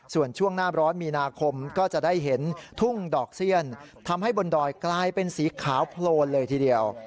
ส่วนช่วงหน้าร้อนมีนาคมก็จะได้เห็นทุ่งดอกเสี้ยนทำให้บนดอยกลายเป็นสีขาวโพลนเลยทีเดียว